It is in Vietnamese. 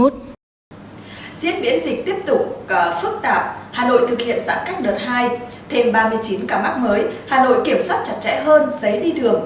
riêng miễn dịch tiếp tục phức tạp hà nội thực hiện giãn cách đợt hai thêm ba mươi chín ca mắc mới hà nội kiểm soát chặt chẽ hơn giấy đi đường